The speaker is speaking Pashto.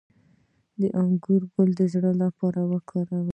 د انګور ګل د زړه لپاره وکاروئ